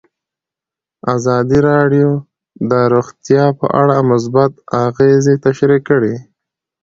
ازادي راډیو د روغتیا په اړه مثبت اغېزې تشریح کړي.